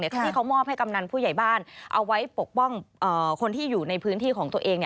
ที่เขามอบให้กำนันผู้ใหญ่บ้านเอาไว้ปกป้องคนที่อยู่ในพื้นที่ของตัวเอง